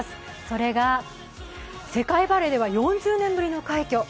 それが、世界バレーでは４０年ぶりの快挙。